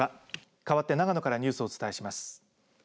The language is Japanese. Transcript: かわって長野からニュースをお伝えします。